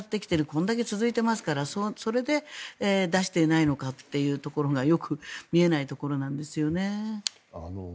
これだけ続いていますからそれで出していないのかってところがよく見えないところなんですよね。